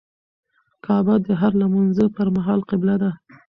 کعبه د هر لمونځه پر مهال قبله ده.